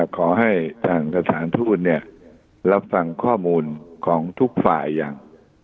ขอให้ทางสถานทูตรับฟังข้อมูลของทุกฝ่ายอย่าง